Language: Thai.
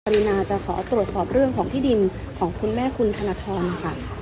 รินาจะขอตรวจสอบเรื่องของที่ดินของคุณแม่คุณธนทรค่ะ